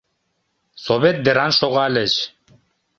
Совет деран шогальыч.